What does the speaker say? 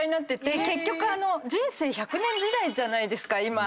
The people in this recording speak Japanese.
結局人生１００年時代じゃないですか今。